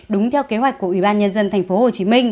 đúng theo kế hoạch của ủy ban nhân dân tp hcm